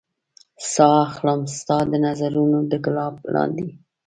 ساه اخلم ستا د نظرونو د ګلاب لاندې